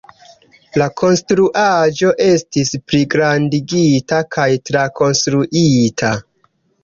La konstruaĵo estis pligrandigita kaj trakonstruita.